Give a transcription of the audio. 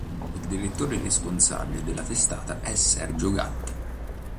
Il direttore responsabile della testata è Sergio Gatti.